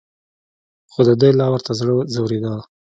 خو دده لا ورته زړه ځورېده.